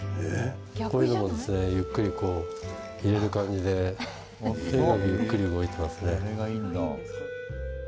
こういうのもゆっくりこう入れる感じでとにかくゆっくり動いていますね。